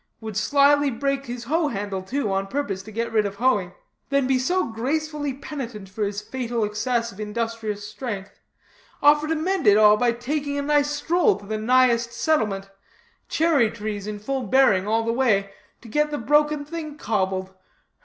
Would slyly break his hoe handle, too, on purpose to get rid of hoeing. Then be so gracefully penitent for his fatal excess of industrious strength. Offer to mend all by taking a nice stroll to the nighest settlement cherry trees in full bearing all the way to get the broken thing cobbled.